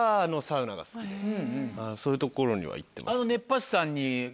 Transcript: そういうところには行ってます。